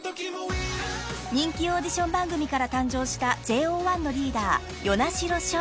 ［人気オーディション番組から誕生したＪＯ１のリーダー與那城奨］